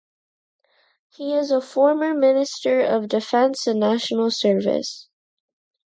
He is a former Minister of Defence and National Service.